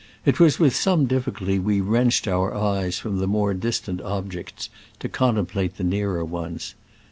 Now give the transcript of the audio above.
It was with some difficulty we wrenched our eyes from the more distant objects to contemplate the nearer ones.